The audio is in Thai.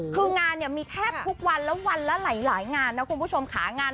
คืองานเนี่ยมีแทบทุกวันแล้ววันละหลายงานนะคุณผู้ชมค่ะ